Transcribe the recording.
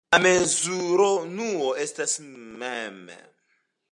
La mezurunuo estas mm.